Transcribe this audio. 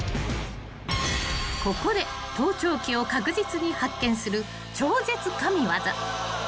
［ここで盗聴器を確実に発見する超絶神業］